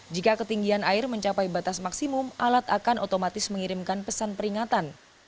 jika ketinggian air mencapai batas maksimum alat akan otomatis mengirimkan pesan peringatan